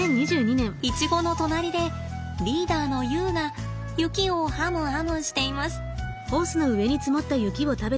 イチゴの隣でリーダーのユウが雪をハムハムしています。